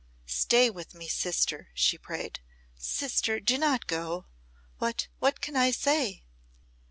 "Stay with me, sister," she prayed. "Sister, do not go! What what can I say?"